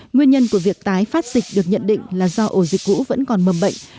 nguyên nhân của việc tái phát dịch được nhận định là do ổ dịch cũ vẫn còn mầm bệnh